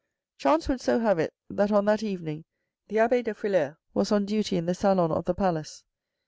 Chance would so have it that on that evening, the abbe de Frilair was on duty in the salon of the Palace.